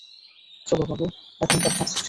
চলো বাবু, এখানকার কাজ শেষ!